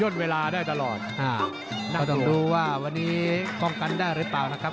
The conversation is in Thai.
น่าจะดูว่าวันนี้พร้อมกันได้หรือเปล่านะครับ